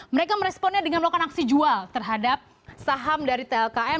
mereka meresponnya dengan melakukan aksi jual terhadap saham dari tlkm